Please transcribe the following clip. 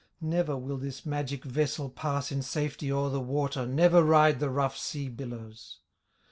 Never will this magic vessel Pass in safety o'er the water, Never ride the rough sea billows."